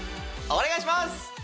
お願いします！